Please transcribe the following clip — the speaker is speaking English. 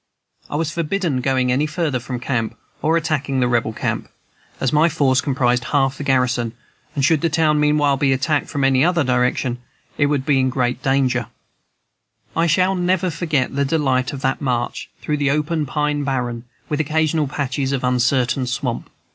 I was forbidden going any farther from camp, or attacking the Rebel camp, as my force comprised half our garrison, and should the town meanwhile be attacked from some other direction, it would be in great danger. I never shall forget the delight of that march through the open pine barren, with occasional patches of uncertain swamp.